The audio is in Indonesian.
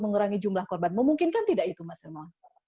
menurangi jumlah korban memungkinkan tidak itu mas hermawan